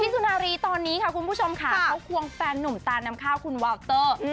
สุนารีตอนนี้ค่ะคุณผู้ชมค่ะเขาควงแฟนนุ่มตานำข้าวคุณวาวเตอร์